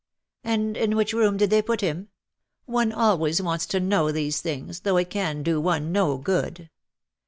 ^"*" And in which room did they put him ? One always wants to know these things, though it can do one no gopd.